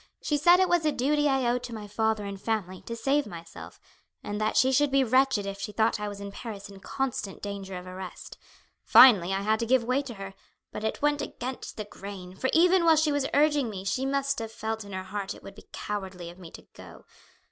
She said it was a duty I owed to my father and family to save myself, and that she should be wretched if she thought I was in Paris in constant danger of arrest. Finally, I had to give way to her, but it went against the grain, for even while she was urging me she must have felt in her heart it would be cowardly of me to go.